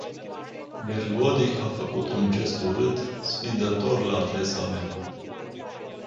Bergodi a făcut un gest urât, sfidător la adresa mea.